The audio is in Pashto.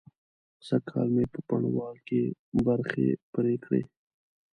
سږکال مې په بڼوال کې برځې پرې کړې.